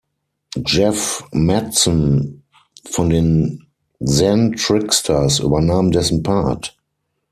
Jeff Mattson von den Zen Tricksters übernahm dessen Part.